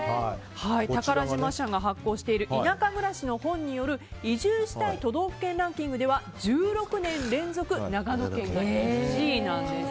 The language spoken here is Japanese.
宝島社が発行している「田舎暮らしの本」による移住したい都道府県ランキングでは１６年連続長野県が１位なんです。